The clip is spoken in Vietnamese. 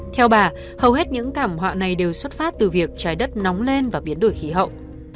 theo bà hầu hết những thảm họa này đều xuất phát từ việc trái đất nóng lên và biến đổi khí hậu